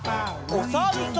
おさるさん。